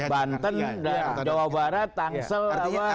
banten jawa barat tangsel